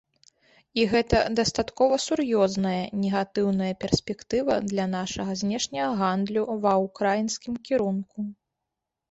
І гэта дастаткова сур'ёзная негатыўная перспектыва для нашага знешняга гандлю ва ўкраінскім кірунку.